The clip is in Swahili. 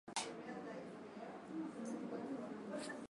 na elimu hasa De Catechizandis Rudibus Akijibu hoja za Wadonati